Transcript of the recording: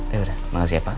yaudah makasih ya pak